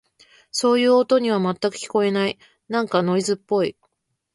そういう音には、全く聞こえない。なんかノイズっぽい。